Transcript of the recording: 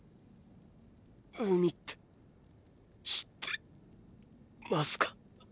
海って知ってますか？